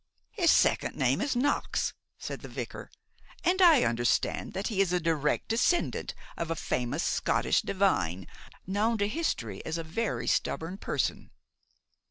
"His second name is Knox," said the vicar, "and I understand that he is a direct descendant of a famous Scottish divine known to history as a very stubborn person.